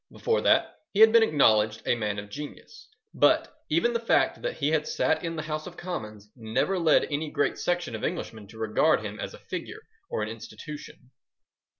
Before that he had been acknowledged a man of genius. But even the fact that he had sat in the House of Commons never led any great section of Englishmen to regard him as a figure or an institution.